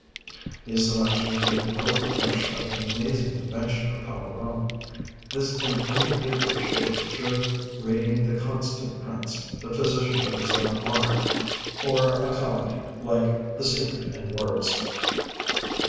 These selections give no impression of the amazing invention of Calderon. This can only be appreciated through reading 'The Constant Prince,' 'The Physician of His Own Honor,' or a comedy like 'The Secret in Words.'